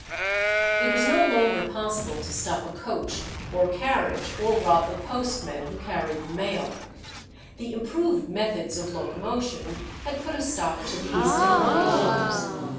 It was no longer possible to stop a coach or carriage, or rob the postman who carried the mail. The improved methods of locomotion had put a stop to these depredations.